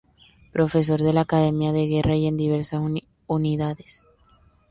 Profesor de la Academia de Guerra y en diversas unidades.